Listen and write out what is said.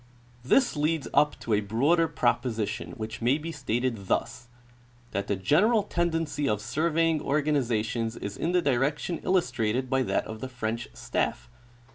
This leads up to a broader proposition, which may be stated thus : That the general tendency of surveying organizations is in the direction illustrated by that of the " French Staff."